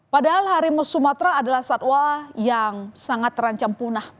padahal harimau sumatera adalah satwa yang sangat terancam punah